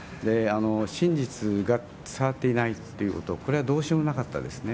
真実が伝わっていないということ、これはどうしようもなかったです